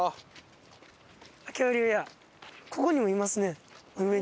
ここにもいますね上に。